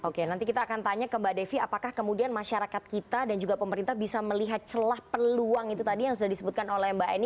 oke nanti kita akan tanya ke mbak devi apakah kemudian masyarakat kita dan juga pemerintah bisa melihat celah peluang itu tadi yang sudah disebutkan oleh mbak eni